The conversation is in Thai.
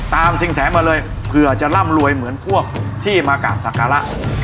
สินแสมาเลยเผื่อจะร่ำรวยเหมือนพวกที่มากราบศักระ